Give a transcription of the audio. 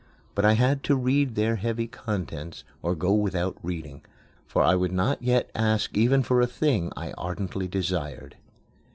But I had to read their heavy contents or go without reading, for I would not yet ask even for a thing I ardently desired.